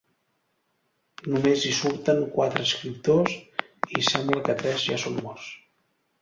Només hi surten quatre escriptors i sembla que tres ja són morts.